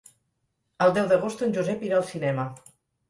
El deu d'agost en Josep irà al cinema.